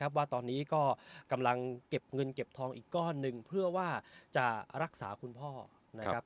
ว่าตอนนี้ก็กำลังเก็บเงินเก็บทองอีกก้อนหนึ่งเพื่อว่าจะรักษาคุณพ่อนะครับ